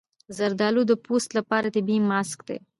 زردالو د پوست لپاره طبیعي ماسک دی.